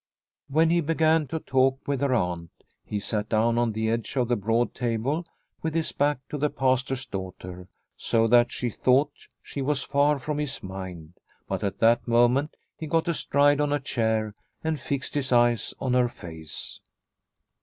When he began to talk with her aunt he sat down on the edge of the broad table with his back to the Pastor's daughter, so that she thought she was far from his mind, but at that moment he got astride on a chair and fixed his eyes on her face.